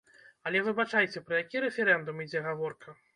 Але, выбачайце, пра які рэферэндум ідзе гаворка?